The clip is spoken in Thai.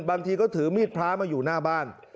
บางทีก็ถือมีดพระมาอยู่หน้าบ้าน